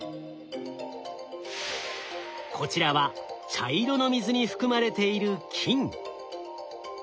こちらは茶色の水に含まれている金。